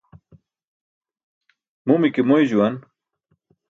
Mumi ke moy juwan.